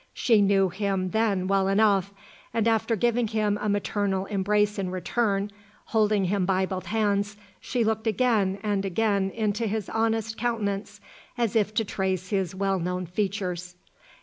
She knew him then well enough; and after giving him a maternal embrace in return, holding him by both hands, she looked again and again into his honest countenance, as if to trace his well known features.